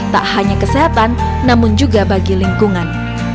tak hanya kesehatan namun juga bagi lingkungan